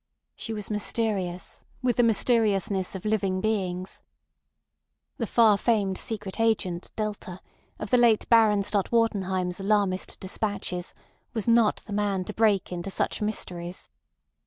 She was mysterious, with the mysteriousness of living beings. The far famed secret agent [delta] of the late Baron Stott Wartenheim's alarmist despatches was not the man to break into such mysteries.